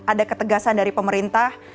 ada ketegasan dari pemerintah